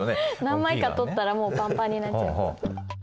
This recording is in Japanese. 何枚か撮ったらもうパンパンになっちゃう。